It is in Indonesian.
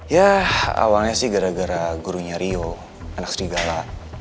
ya awalnya sih gara gara gurunya rio anak serigala